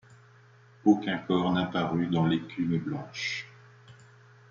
Aucun corps n’apparut dans l’écume blanche...